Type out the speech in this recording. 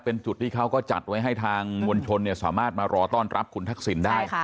เป็นจุดที่เขาก็จัดไว้ให้ทางมวลชนสามารถมารอต้อนรับคุณทักษิณได้